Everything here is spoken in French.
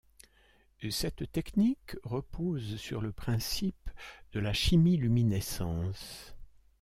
Cette technique repose sur le principe de la chimiluminescence.